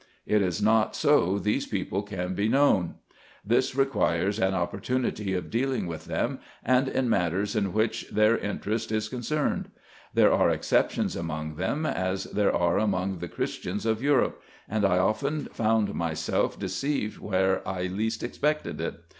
It is not so these people can be known. This requires an oppor tunity of dealing with them, and in matters in which their interest is concerned. There are exceptions among them, as there are among the Christians of Europe ; and I often found myself de ceived where I least expected it.